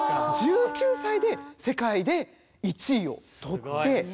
１９歳で世界で１位を取って。